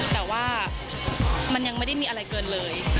แต่ว่ามันยังไม่ได้มีอะไรเกินเลย